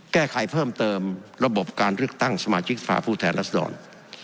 แก้ไขเพิ่มเติมระบบการเลือกตั้งสมาชิกสภาพผู้แทนรัศดร